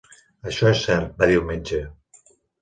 "Això és cert", va dir el metge.